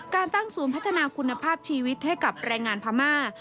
การตั้งศูนย์พัฒนาคุณภาพชีวิตให้กับแรงงานพม่า